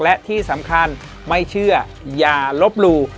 และที่สำคัญไม่เชื่ออย่าลบหลู่